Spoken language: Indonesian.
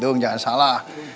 dung jangan salah